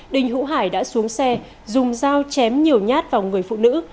đình hữu hải đã xuống xe dùng dao chém nhiều nhát vào người phụ nữ